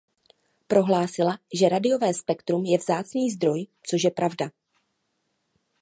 Prohlásila, že rádiové spektrum je vzácný zdroj, což je pravda.